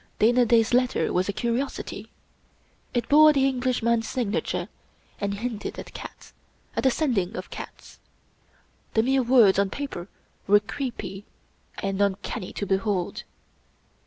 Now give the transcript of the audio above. Dana Da's letter was a curiosity. It bore the English man's signature, and hinted at cats — ^at a Sending of cats. The mere words on paper were creepy and uncanny to be hold.